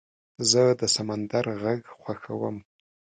زه د سمندر غږ خوښوم.